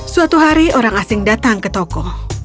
suatu hari orang asing datang ke toko